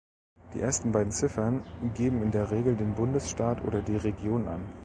Die ersten beiden Ziffern geben in der Regel den Bundesstaat oder die Region an.